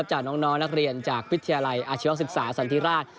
จากน้องนักเรียนจากวิทยาลัยอาชีวศึกษาสันติราช